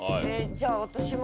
じゃあ私も。